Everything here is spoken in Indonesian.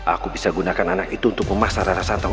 aku bisa gunakan anak itu untuk menjaga rara santang